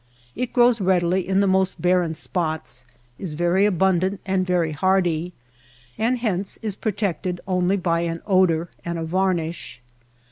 It grows readily in the most barren spots, is very abundant and very hardy, and hence is protected only by an odor and a varnish.